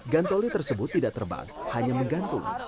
gantoli tersebut tidak terbang hanya menggantung